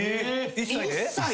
１歳で。